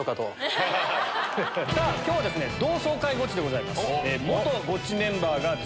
今日はですね同窓会ゴチでございます。